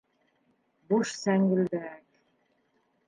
Буш сәңгелдәк.